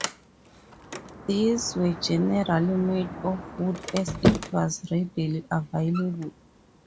These were generally made of wood, as it was readily available.